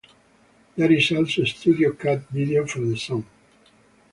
There is also a studio cut video for the song.